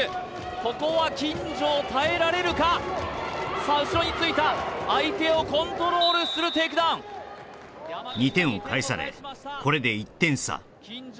ここは金城耐えられるかさあ後ろについた相手をコントロールするテイクダウン２点を返されこれで１点差金城